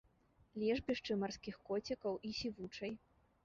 Лежбішчы марскіх коцікаў і сівучай.